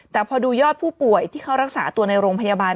แต่พอดูยอดผู้ป่วยที่เขารักษาตัวในโรงพยาบาล